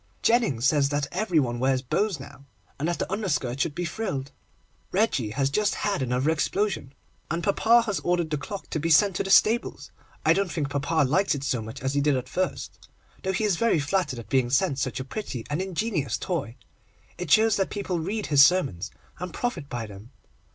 Jennings says that every one wears bows now, and that the underskirt should be frilled. Reggie has just had another explosion, and papa has ordered the clock to be sent to the stables. I don't think papa likes it so much as he did at first, though he is very flattered at being sent such a pretty and ingenious toy. It shows that people read his sermons, and profit by them.